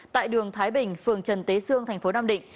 tại đường thái bình phường trần tế sương thành phố nam định